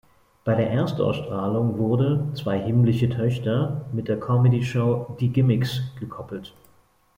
Bei der Erstausstrahlung wurde "Zwei himmlische Töchter" mit der Comedyshow "Die Gimmicks" gekoppelt.